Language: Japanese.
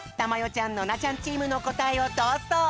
ちゃんノナちゃんチームのこたえをどうぞ。